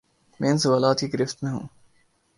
میں ان سوالات کی گرفت میں ہوں۔